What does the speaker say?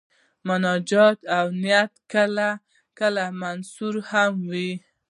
مناجات او نعت کله کله منثور هم وي.